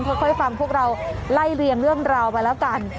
ค่อยฟังพวกเราไล่เรียงเรื่องราวไปแล้วกัน